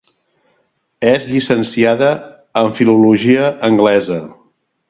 És llicenciada en filologia anglesa.